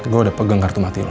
gue udah pegang kartu mati lo sa